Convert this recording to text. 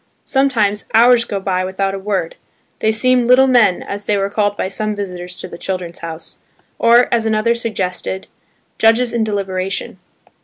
Sometimes, hours go by without a word. They seem "little men," as they were called by some visitors to the "Children's House"; or, as another suggested, "judges in deliberation."